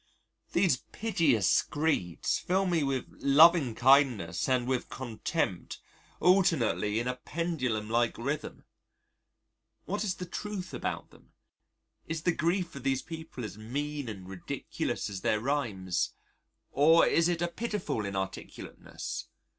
These piteous screeds fill me with loving kindness and with contempt alternately in a pendulum like rhythm. What is the truth about them? Is the grief of these people as mean and ridiculous as their rhymes? Or is it a pitiful inarticulateness?